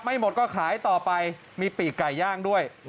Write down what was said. ไม่หมดก็ขายต่อไปมีปีกไก่ย่างด้วย